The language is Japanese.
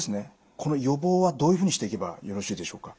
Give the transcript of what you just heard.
この予防はどういうふうにしていけばよろしいでしょうか？